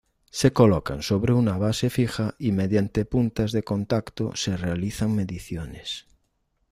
Se colocan sobre una base fija y mediante puntas de contacto se realizan mediciones.